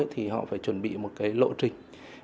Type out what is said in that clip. thì họ phải chuẩn bị một lộ trình